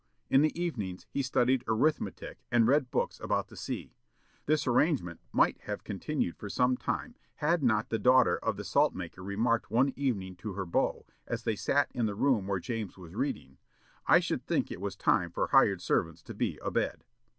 In the evenings he studied arithmetic and read books about the sea. This arrangement might have continued for some time had not the daughter of the salt maker remarked one evening to her beau, as they sat in the room where James was reading, "I should think it was time for hired servants to be abed."